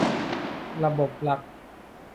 ระบบหลัก